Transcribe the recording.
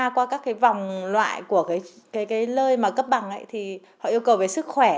qua các cái vòng loại của cái lơi mà cấp bằng ấy thì họ yêu cầu về sức khỏe